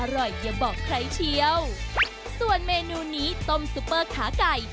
อย่าบอกใครเชียวส่วนเมนูนี้ต้มซุปเปอร์ขาไก่